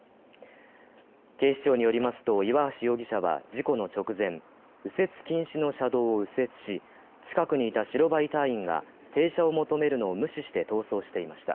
警視庁によりますと岩橋容疑者は事故の直前、右折禁止の車道を右折し、近くにいた白バイ隊員が停車を求めるのを無視して逃走していました。